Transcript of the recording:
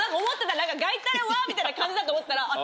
みたいな感じだと思ってたら。